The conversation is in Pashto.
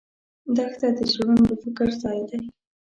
دښته د زړونو د فکر ځای دی.